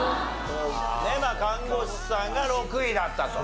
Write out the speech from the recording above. まあ看護師さんが６位だったと。